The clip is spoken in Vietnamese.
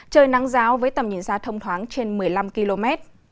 trời nắng giáo với tầm nhìn xa thông thoáng trên một mươi năm km